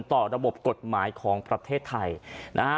ต่อระบบกฎหมายของประเทศไทย